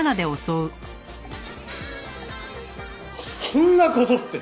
そんな事って！